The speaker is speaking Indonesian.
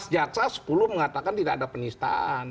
empat belas jaksa sepuluh mengatakan tidak ada penistaan